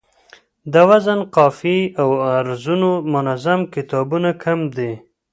د وزن، قافیې او عروضو منظم کتابونه کم دي